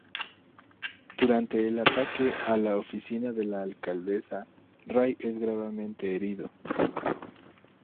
Durante el ataque a la oficina de la alcaldesa, Ray es gravemente herido.